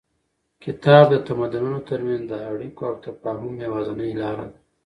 کتاب د تمدنونو تر منځ د اړیکو او تفاهم یوازینۍ لاره ده.